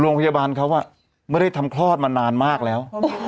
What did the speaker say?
โรงพยาบาลเขาไม่ได้ทำคลอดมานานมากแล้ว